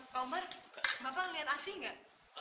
pak omar bapak melihat asy enggak